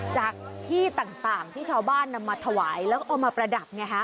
จากที่ต่างที่ชาวบ้านนำมาถวายแล้วก็เอามาประดับไงฮะ